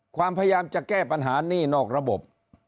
ความพยายามจะแก้ปัญหานี่นอกระบบ